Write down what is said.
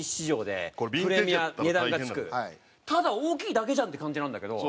ただ大きいだけじゃんって感じなんだけど。